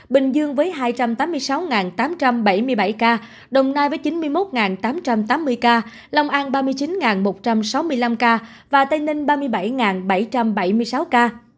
bình dương với hai trăm tám mươi sáu tám trăm bảy mươi bảy ca đồng nai với chín mươi một tám trăm tám mươi ca long an ba mươi chín một trăm sáu mươi năm ca và tây ninh ba mươi bảy bảy trăm bảy mươi sáu ca